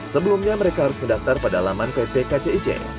sebelumnya mereka harus mendaftar pada alaman ppkcic